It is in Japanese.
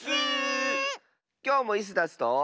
きょうもイスダスと。